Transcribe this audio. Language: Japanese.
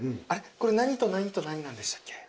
これ何と何と何なんでしたっけ？